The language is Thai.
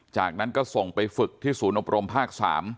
จากนั้นก็ส่งไปฝึกที่ศูนย์อบรมภาค๓